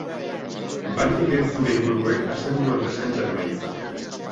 Baliteke zure ingurukoek asteburuan deskantsatu nahi izatea.